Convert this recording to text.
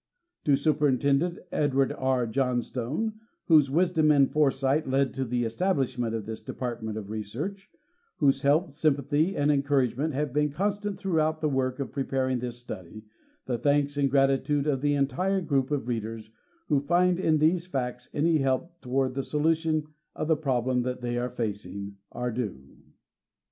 To Superintendent Edward R. Johnstone, whose wisdom and foresight led to the establishment of this Department of Research, whose help, sympathy, and encouragement have been constant throughout the work of preparing this study, the thanks and grati tude of the entire group of readers who find in these facts any help toward the solution of the problems that they are facing, are due.